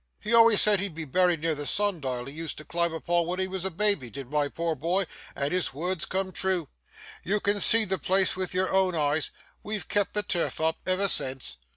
He always said he'd be buried near the sun dial he used to climb upon when he was a baby, did my poor boy, and his words come true you can see the place with your own eyes; we've kept the turf up, ever since.